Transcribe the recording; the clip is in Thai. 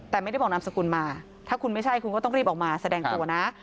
แต่ไม่ได้บอกนามสกุลมาถ้าคุณไม่ใช่คุณก็ต้องรีบออกมาแสดงตัวนะ